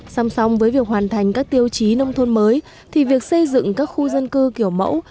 song song với việc hoàn thành các tiêu chí nông thôn mới thì việc xây dựng các khu dân cư kiểu mẫu